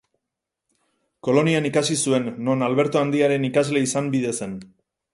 Kolonian ikasi zuen, non Alberto Handiaren ikasle izan bide zen.